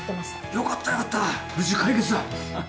良かった良かった無事解決だははっ。